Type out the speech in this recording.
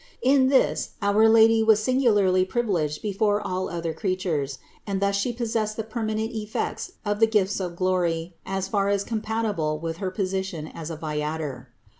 In this our Lady was singularly privileged before all other creatures, and thus She pos sessed the permanent effects of the gifts of glory as far as compatible with her position as viator.